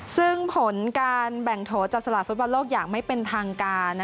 ซึ่งผลการแบ่งโถจากสลากฟุตบอลโลกอย่างไม่เป็นทางการ